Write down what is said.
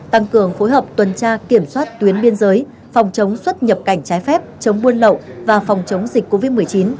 tăng cường phối hợp tuần tra kiểm soát tuyến biên giới phòng chống xuất nhập cảnh trái phép chống buôn lậu và phòng chống dịch covid một mươi chín